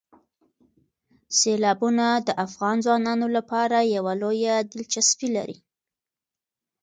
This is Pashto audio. سیلابونه د افغان ځوانانو لپاره یوه لویه دلچسپي لري.